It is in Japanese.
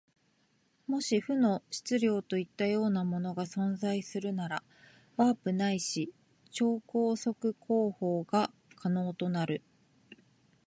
もし負の質量といったようなものが存在するなら、ワープないし超光速航法が可能となる。